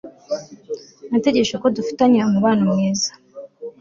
Natekereje ko dufitanye umubano mwiza